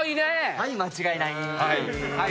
はい間違いない。